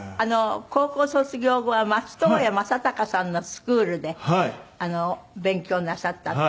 高校卒業後は松任谷正隆さんのスクールで勉強なさったって。